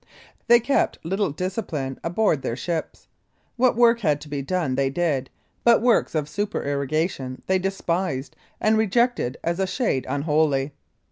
They kept little discipline aboard their ships. What work had to be done they did, but works of supererogation they despised and rejected as a shade unholy.